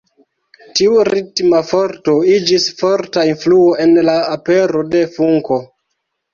Tiu ritma forto iĝis forta influo en la apero de funko.